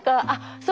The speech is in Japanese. そう。